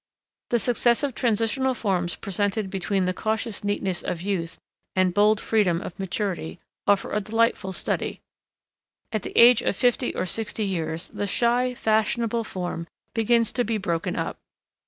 The successive transitional forms presented between the cautious neatness of youth and bold freedom of maturity offer a delightful study. At the age of fifty or sixty years, the shy, fashionable form begins to be broken up.